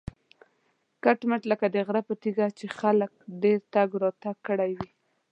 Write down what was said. کټ مټ لکه د غره پر تیږه چې خلکو ډېر تګ راتګ کړی وي.